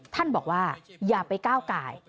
ท่านบอกว่าอย่าไปก้าวกาย